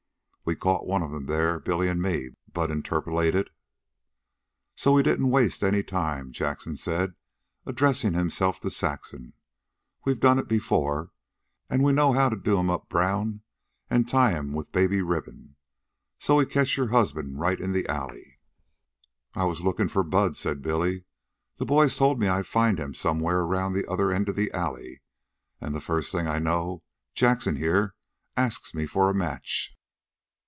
"We caught one there, Billy an' me," Bud interpolated. "So we don't waste any time," Jackson said, addressing himself to Saxon. "We've done it before, an' we know how to do 'em up brown an' tie 'em with baby ribbon. So we catch your husband right in the alley." "I was lookin' for Bud," said Billy. "The boys told me I'd find him somewhere around the other end of the alley. An' the first thing I know, Jackson, here, asks me for a match."